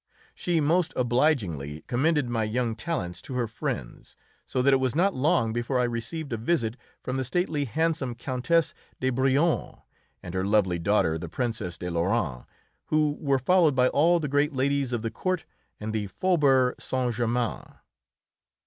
She most obligingly commended my young talents to her friends, so that it was not long before I received a visit from the stately, handsome Countess de Brionne and her lovely daughter, the Princess de Lorraine, who were followed by all the great ladies of the court and the Faubourg Saint Germain.